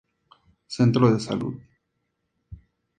Centro de Salud.